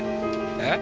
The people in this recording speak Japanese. えっ？